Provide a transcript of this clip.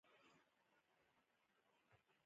په هغه زمانه کې طاعون ناروغۍ وژلي.